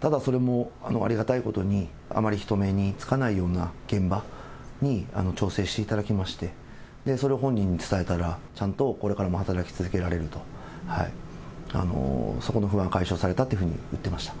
ただそれも、ありがたいことに、あまり人目につかないような現場に調整していただきまして、それを本人に伝えたら、ちゃんとこれからも働き続けられると、そこの不安は解消されたというふうに言ってました。